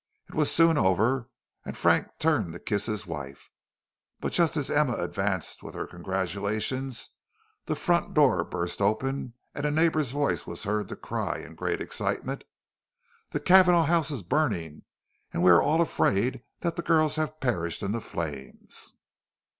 It was soon over, and Frank turned to kiss his wife; but just as Emma advanced with her congratulations, the front door burst open and a neighbor's voice was heard to cry in great excitement: "The Cavanagh house is burning, and we are all afraid that the girls have perished in the flames."